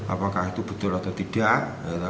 apakah itu betul atau tidak